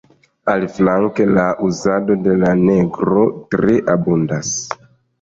Aliflanke, la uzado de la negro tre abundas.